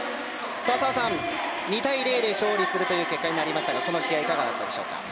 澤さん、２対０で勝利するという結果になりましたがこの試合いかがだったでしょうか。